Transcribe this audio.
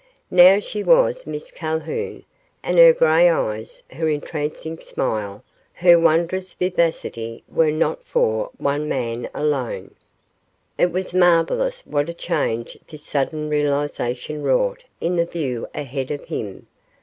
Now she was Miss Calhoun, and her gray eyes, her entrancing smile, her wondrous vivacity were not for one man alone. It was marvelous what a change this sudden realization wrought in the view ahead of him.